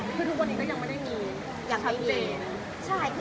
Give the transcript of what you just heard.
คือทุกวันนี้ก็ยังไม่ได้มีอย่างไม่มี